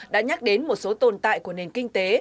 đã nhắc đến một số tồn tại của nền kinh tế